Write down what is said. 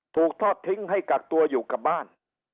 ถูกทอดทิ้งให้กักตัวอยู่กับบ้าน